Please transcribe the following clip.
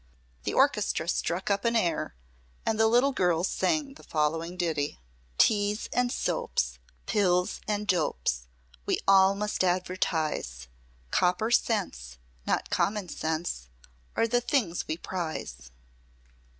The orchestra struck up an air and the little girls sang the following ditty: "Teas and soaps, Pills and dopes, We all must advertise. Copper cents, Not common sense. Are the things we prize.